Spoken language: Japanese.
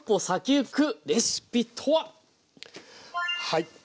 はい。